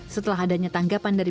setelah adanya tanggapan dari